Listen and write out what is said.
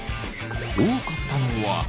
多かったのは。